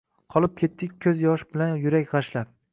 Qolib ketdik kuz yoshi bilan yurak gashlab